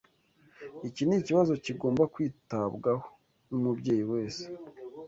Iki ni ikibazo kigomba kwitabwaho n’umubyeyi wese